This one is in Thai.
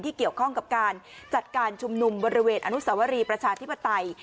เกี่ยวข้องกับการจัดการชุมนุมบริเวณอนุสวรีประชาธิปไตย